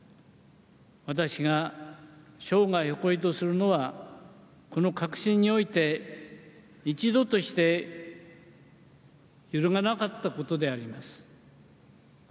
私が生涯、誇りとするのはこの確信において、一度として揺るがなかったことであります。